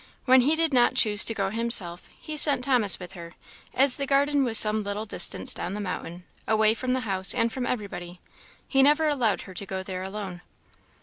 When he did not choose to go himself, he sent Thomas with her, as the garden was some little distance down the mountain, away from the house and from everybody he never allowed her to go there alone.